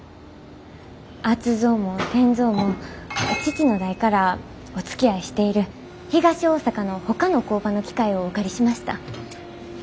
圧造も転造も父の代からおつきあいしている東大阪のほかの工場の機械をお借りしました。